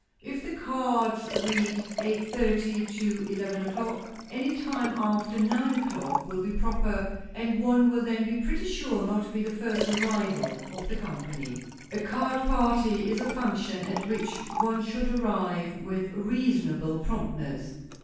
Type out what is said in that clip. If the cards read "eight thirty to eleven o'clock," any time after nine o'clock will be proper and one will then be pretty sure not to be the first arrival of the company. A card party is a function at which one should arrive with reasonable promptness.